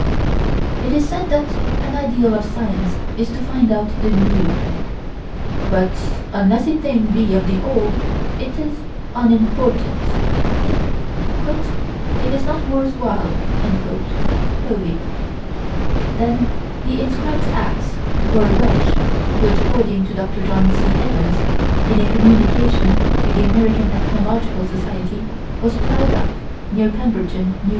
It is said that an ideal of science is to find out the new but, unless a thing be of the old, it is "unimportant." "It is not worth while." (Hovey.) Then the inscribed ax, or wedge, which, according to Dr. John C. Evans, in a communication to the American Ethnological Society, was plowed up, near Pemberton, N.J.